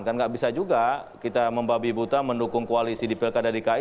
kan nggak bisa juga kita membabi buta mendukung koalisi di pilkada dki